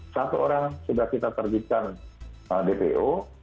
satu orang sudah kita terbitkan dpo